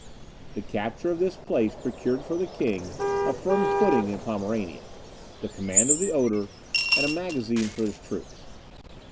The capture of this place procured for the king a firm footing in Pomerania, the command of the Oder, and a magazine for his troops.